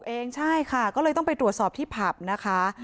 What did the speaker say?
เองใช่ค่ะก็เลยต้องไปตรวจสอบที่ผับนะคะ